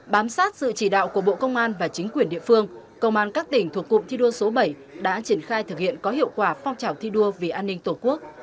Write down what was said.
bám sát sự chỉ đạo của bộ công an và chính quyền địa phương công an các tỉnh thuộc cụm thi đua số bảy đã triển khai thực hiện có hiệu quả phong trào thi đua vì an ninh tổ quốc